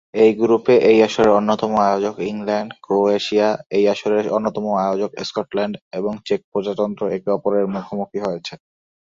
এই গ্রুপে এই আসরের অন্যতম আয়োজক ইংল্যান্ড, ক্রোয়েশিয়া, এই আসরের অন্যতম আয়োজক স্কটল্যান্ড এবং চেক প্রজাতন্ত্র একে অপরের মুখোমুখি হয়েছে।